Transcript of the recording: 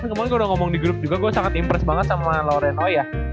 sebenernya kalo ngomong di grup juga gua sangat impress banget sama loren oi ya